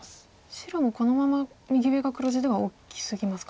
白もこのまま右上が黒地では大きすぎますか。